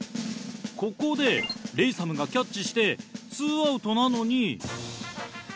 ここでレイサムがキャッチして２アウトなのに。